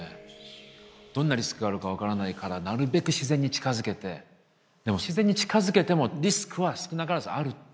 どんなリスクがあるか分からないからなるべく自然に近づけてでも自然に近づけてもリスクは少なからずあると。